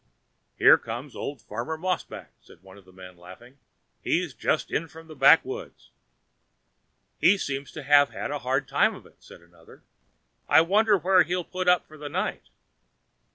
"There comes old Farmer Mossback," said one of the men, laughing. "He's just in from the backwoods." "He seems to have had a hard time of it," said another; "I wonder where he'll put up for the night."